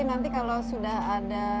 nanti kalau sudah ada